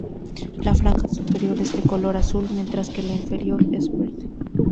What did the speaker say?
La franja superior es de color azul, mientras que la inferior es verde.